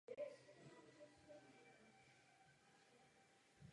Válce byly standardně z oceli.